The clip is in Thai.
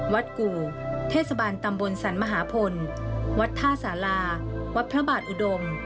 กู่เทศบาลตำบลสรรมหาพลวัดท่าสาราวัดพระบาทอุดม